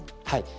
はい。